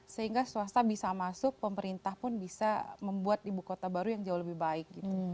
sehingga swasta bisa masuk pemerintah pun bisa membuat ibu kota baru yang jauh lebih baik